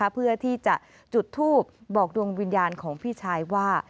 เพื่อที่จะจุดทูบบอกดวงวิญญาณของพี่ชายว่า